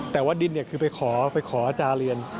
แต่ว่าดินคือไปขอไปขออาจารย์เรียน